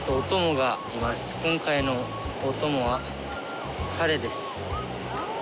今回のお供は彼です。